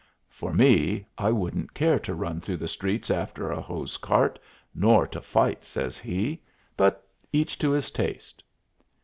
For me, I wouldn't care to run through the streets after a hose cart, nor to fight," says he; "but each to his taste."